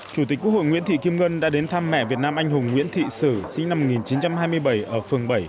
chủ tịch quốc hội nguyễn thị kim ngân đã đến thăm mẹ việt nam anh hùng nguyễn thị sử sinh năm một nghìn chín trăm hai mươi bảy ở phường bảy